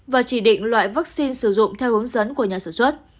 và chỉ định loại vaccine sử dụng theo hướng dẫn của nhà sản xuất